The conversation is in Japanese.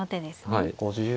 はい。